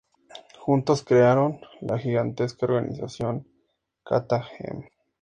Juntos crearon a la gigantesca organización Katha-Hem.